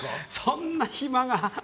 そんな暇が。